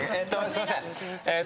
すいません。